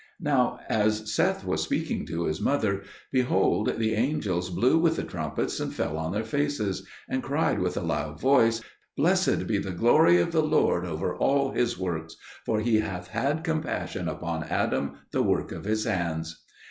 Now as Seth was speaking to his mother, behold, the angels blew with the trumpets, and fell on their faces, and cried with a loud voice, "Blessed be the glory of the Lord over all His works; for He hath had compassion upon Adam, the work of His hands."